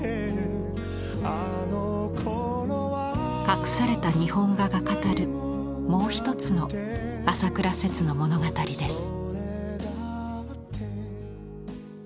隠された日本画が語るもう一つの朝倉摂の物語です。